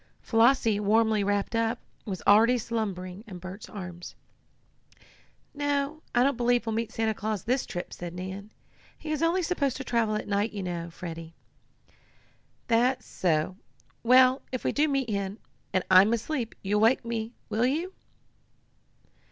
Flossie, warmly wrapped up, was already slumbering in Bert's arms. "No, I don't believe we'll meet Santa Claus this trip," said Nan. "He is only supposed to travel at night, you know, Freddie." "That's so. Well, if we do meet him, and I'm asleep, you wake me up: will you?"